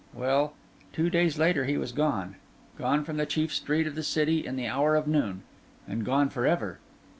Well, two days later he was gone—gone from the chief street of the city in the hour of noon—and gone for ever.